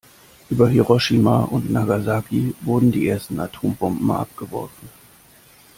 Über Hiroshima und Nagasaki wurden die ersten Atombomben abgeworfen.